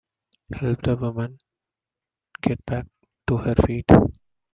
Help the woman get back to her feet.